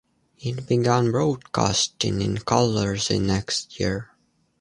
It began broadcasting in color the next year.